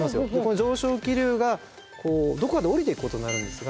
上昇気流がどこかで下りていくことになるんですが。